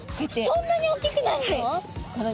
そんなにおっきくなるの？